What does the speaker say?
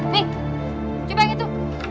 nih coba yang itu